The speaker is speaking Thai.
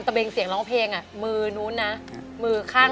เป็นยังไงแพ้ตลอด